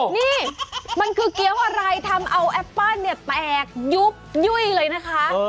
นี่มันคือเกี้ยวอะไรทำเอาแอปเปิ้ลเนี่ยแตกยุบยุ่ยเลยนะคะ